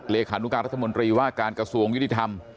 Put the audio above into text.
เลขานุการรัฐมนตรีว่าการกระทรวงยุติธรรม